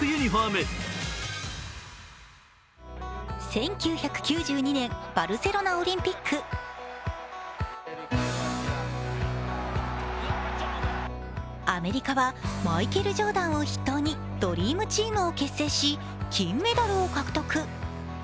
１９９２年、バルセロナオリンピックアメリカはマイケル・ジョーダンを筆頭にドリームチームを結成し金メダルを獲得。